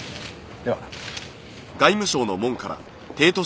では。